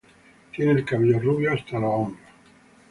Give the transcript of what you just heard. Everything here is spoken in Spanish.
Tiene el cabello rubio hasta los hombros.